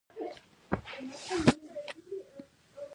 ازادي راډیو د د ځنګلونو پرېکول په اړه د هر اړخیز پوښښ ژمنه کړې.